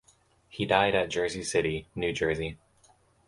He died at Jersey City, New Jersey.